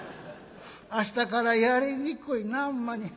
明日からやりにくいなほんまに。